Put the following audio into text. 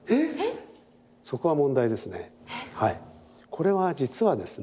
これは実はですね